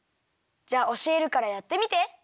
じゃあおしえるからやってみて。